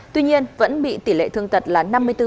tuy nhiên vẫn bị tỷ lệ thương tật là năm mươi bốn